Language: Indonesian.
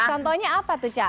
contohnya apa tuh kak